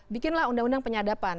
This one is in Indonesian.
bikinlah undang undang penyadapan